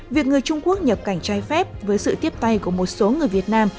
việc người trung quốc nhập cảnh trái phép với sự tiếp tay của một số người việt nam